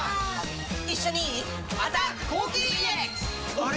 あれ？